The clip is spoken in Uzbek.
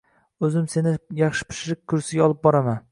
Oʻzim seni yaxshi pishiriq kursiga olib boraman